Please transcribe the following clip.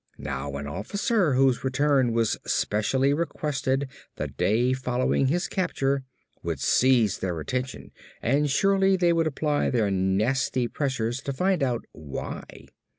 Now an officer, whose return was specially requested the day following his capture would seize their attention and surely they would apply their nasty pressures to find out why.